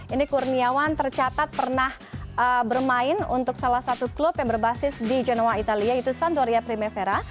ini kurniawan tercatat pernah bermain untuk salah satu klub yang berbasis di genoa italia yaitu santoria primevera